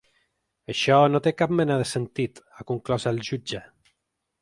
Això no té cap mena de sentit, ha conclòs el jutge.